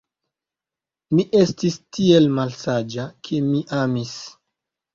Mi estis tiel malsaĝa, ke mi amis.